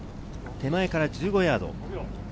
手前から１５ヤード。